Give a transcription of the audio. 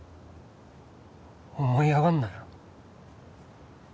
思いあがんなよ